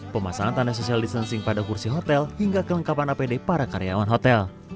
pemasangan tanda social distancing pada kursi hotel hingga kelengkapan apd para karyawan hotel